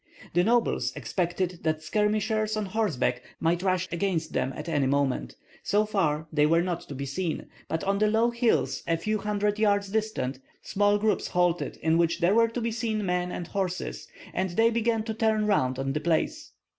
The nobles expected that skirmishers on horseback might rush against them at any moment. So far they were not to be seen; but on the low hills a few hundred yards distant small groups halted, in which were to be seen men and horses, and they began to turn around on the place.